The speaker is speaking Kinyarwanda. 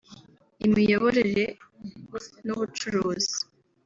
imiyoborere n’ubucuruzi